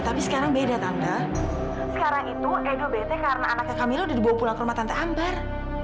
tante sekarang itu edo bete karena anaknya kamila udah dibawa pulang ke rumah tante ambar